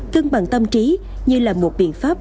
cân bằng tâm trí như là một biện pháp